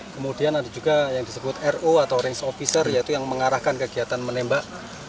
kemudian ada juga yang disebut ro atau range officer yaitu yang mengarahkan kegiatan menembak